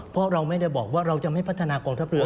เพราะเราไม่ได้บอกว่าเราจะไม่พัฒนากองทัพเรือ